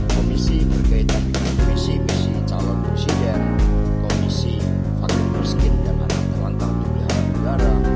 komisi berkaitan dengan komisi komisi calon presiden komisi fakir miskin dan anak anak yang diberi harapan negara